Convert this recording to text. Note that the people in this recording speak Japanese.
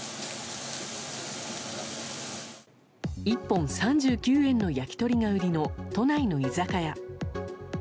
１本３９円の焼き鳥が売りの都内の居酒屋。